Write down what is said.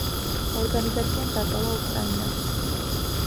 ორგანიზაციამ დატოვა უკრაინა.